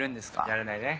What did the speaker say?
やらないね。